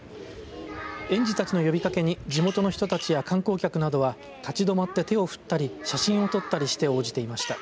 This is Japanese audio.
園児たちの呼びかけに地元の人たちや観光客などは立ちどまって手を振ったり写真を撮ったりして応じていました。